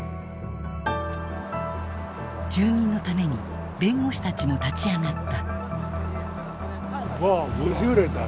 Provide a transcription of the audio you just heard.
住民のために弁護士たちも立ち上がった。